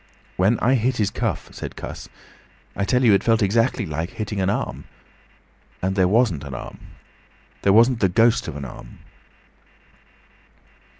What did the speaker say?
"When I hit his cuff," said Cuss, "I tell you, it felt exactly like hitting an arm. And there wasn't an arm! There wasn't the ghost of an arm!"